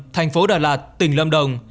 tp đà lạt tỉnh lâm đồng